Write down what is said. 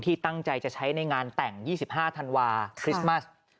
ตั้งใจจะใช้ในงานแต่ง๒๕ธันวาคริสต์มัส